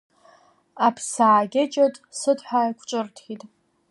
Аԥсаагьы ҷыт-сытҳәа ааиқәҿырҭит.